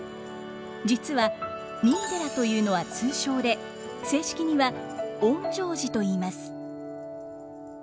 実は「三井寺」というのは通称で正式には「園城寺」といいます。